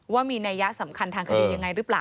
ว่ามีนัยยะสำคัญทางคดียังไงหรือเปล่า